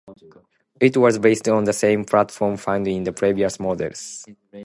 It was based on the same platform found in the previous models.